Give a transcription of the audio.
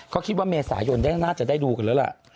เขาคิดว่าเมษายนน่าจะได้ดูกันแล้วล่ะ